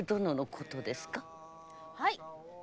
はい！